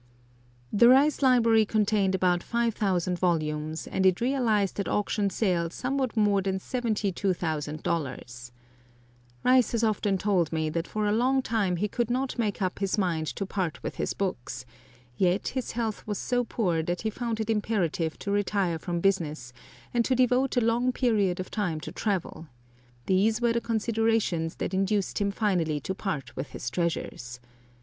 The Rice library contained about five thousand volumes, and it realized at auction sale somewhat more than seventy two thousand dollars. Rice has often told me that for a long time he could not make up his mind to part with his books; yet his health was so poor that he found it imperative to retire from business, and to devote a long period of time to travel; these were the considerations that induced him finally to part with his treasures.